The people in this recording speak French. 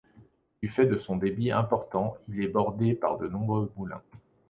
Du fait de son débit important, il est bordé par de nombreux moulins.